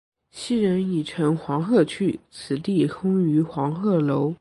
昔人已乘黄鹤去，此地空余黄鹤楼。